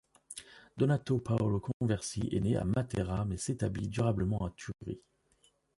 Donato Paolo Conversi est né à Matera mais s'établit durablement à Turi.